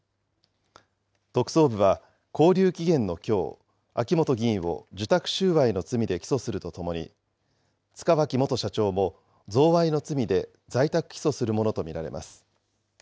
特捜部は、勾留期限のきょう、秋本議員を受託収賄の罪で起訴するとともに、塚脇元社長も、贈賄の罪で在宅起訴するものと見られます。